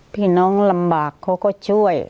พี่น้องลำบากเขาก็ช่วย